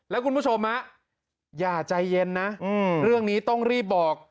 แล้วคุณผู้ชมอย่าใจเย็นนะเรื่องนี้ต้องรีบบอก